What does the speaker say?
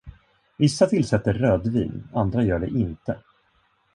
Vissa tillsätter rödvin, andra gör det inte.